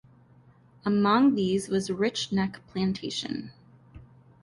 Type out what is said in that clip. Among these was Rich Neck Plantation.